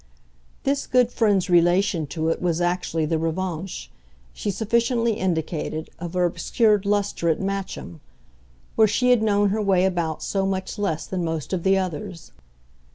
This good friend's relation to it was actually the revanche, she sufficiently indicated, of her obscured lustre at Matcham, where she had known her way about so much less than most of the others.